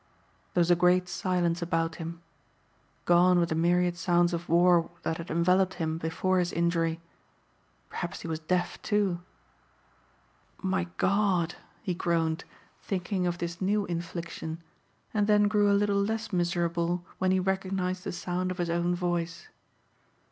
There was a great silence about him. Gone were the myriad sounds of war that had enveloped him before his injury. Perhaps he was deaf, too. "My God!" he groaned thinking of this new infliction and then grew a little less miserable when he recognized the sound of his own voice.